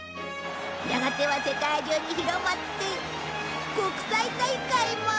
やがては世界中に広まって国際大会も。